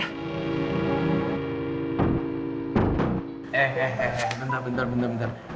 eh eh eh eh bentar bentar bentar